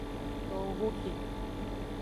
Towo ho ke.